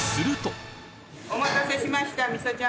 お待たせしました。